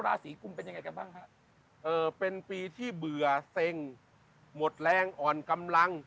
ราศีกุมเป็นยังไงกันบ้างฮะเอ่อเป็นปีที่เบื่อเซ็งหมดแรงอ่อนกำลัง